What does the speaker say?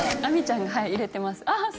あみちゃんがはい入れてますあ